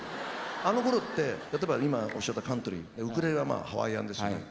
あのころって例えば今おっしゃったカントリーウクレレはまあハワイアンですよね。